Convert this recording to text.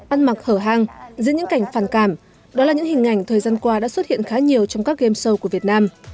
ăn mặc hở hang giữa những cảnh phản cảm đó là những hình ảnh thời gian qua đã xuất hiện khá nhiều trong các game show của việt nam